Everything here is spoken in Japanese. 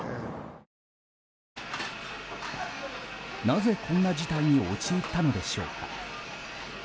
なぜ、こんな事態に陥ったのでしょうか。